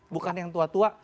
bukan yang tua tua